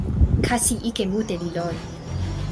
kasi ike mute li lon.